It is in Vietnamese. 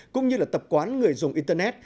cũng như là tập quán người dùng internet